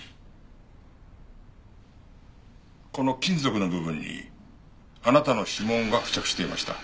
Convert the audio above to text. この金属の部分にあなたの指紋が付着していました。